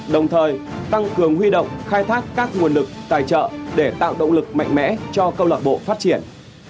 đồng thời tăng cường huy động khai thác các nguồn lực tài trợ để tạo động lực mạnh mẽ cho câu lạc bộ phát triển